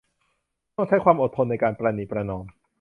ต้องใช้ความอดทนในการประนีประนอม